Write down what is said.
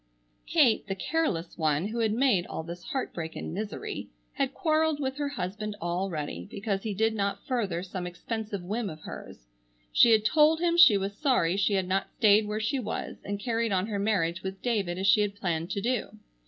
Kate, the careless one, who had made all this heart break and misery, had quarreled with her husband already because he did not further some expensive whim of hers. She had told him she was sorry she had not stayed where she was and carried on her marriage with David as she had planned to do.